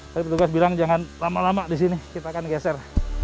jadi petugas bilang jangan lama lama di sini kita akan geser